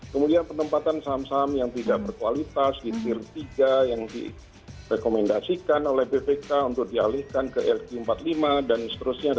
kemudian penempatan saham saham yang tidak berkualitas di tir tiga yang direkomendasikan oleh bpk untuk dialihkan ke lg empat puluh lima dan seterusnya